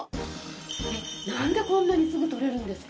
なんでこんなにすぐ取れるんですか？